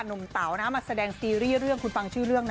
เต๋านะมาแสดงซีรีส์เรื่องคุณฟังชื่อเรื่องนะ